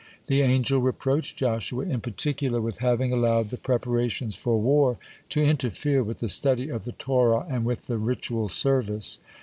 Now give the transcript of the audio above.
The angel reproached Joshua in particular with having allowed the preparations for war to interfere with the study of the Torah and with the ritual service.